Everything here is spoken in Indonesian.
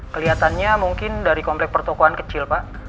kelihatannya mungkin dari komplek pertokohan kecil pak